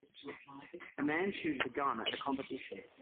A man shoots a gun at a competition.